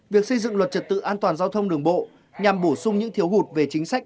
việc xây dựng luật trật tự an toàn giao thông đường bộ nhằm bổ sung những thiếu hụt về chính sách